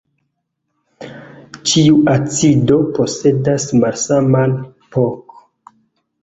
Ĉiu acido posedas malsaman pK.